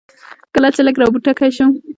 کله چې لږ را بوتکی شوم.